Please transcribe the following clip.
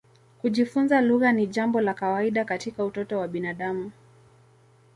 Kujifunza lugha ni jambo la kawaida katika utoto wa binadamu.